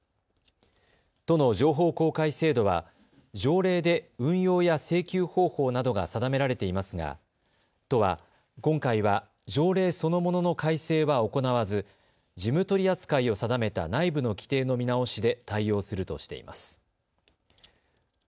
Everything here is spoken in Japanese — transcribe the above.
都の情報公開制度は条例で運用や請求方法などが定められていますが都は今回は条例そのものの改正は行わず事務取り扱いを定めた内部の規定の見直しで対応するとしています。